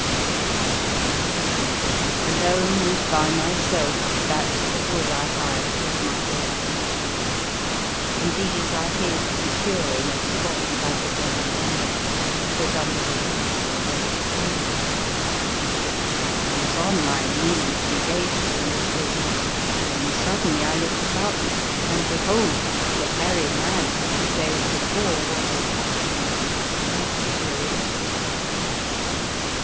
6s The Fearsome Island Alone and by myself back to the wood I hied with my golden dishes, and these I hid secure in a spot that I could well remember, 'twas under the roots of a great tree. I was on my knees engaged in this business, when suddenly I looked about me, and be hold, the hairy man of two days before was a watching of me with much curi osity.